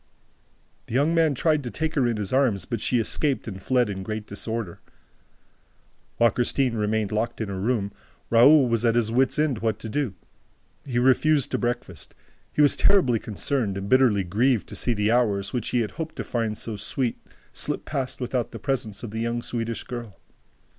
The young man tried to take her in his arms, but she escaped and fled in great disorder. While Christine remained locked in her room, Raoul was at his wit's end what to do. He refused to breakfast. He was terribly concerned and bitterly grieved to see the hours, which he had hoped to find so sweet, slip past without the presence of the young Swedish girl.